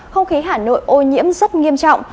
không khí hà nội ô nhiễm rất nghiêm trọng